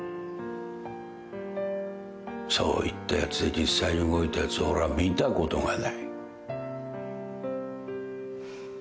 そう言ったやつで実際に動いたやつを俺は見たことがない。